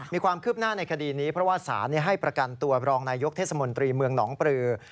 มีความคืบหน้าในคดีนี้เพราะว่าศาลให้ประกันตัวบรองนายยกเทศมนตรีเมืองหนองปลือ